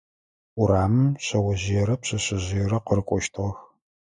Урамым шъэожъыерэ пшъэшъэжъыерэ къырыкӏощтыгъэх.